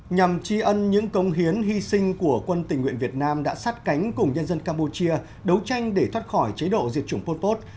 nhằm tri ân những công hiến hy sinh của quân tình nguyện việt nam đã sát cánh cùng nhân dân campuchia đấu tranh để thoát khỏi chế độ diệt chủng pol pot